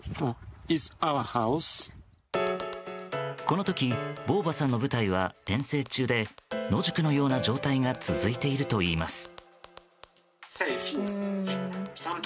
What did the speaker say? この時ヴォーヴァさんの部隊は遠征中で野宿のような状態が続いているといいます。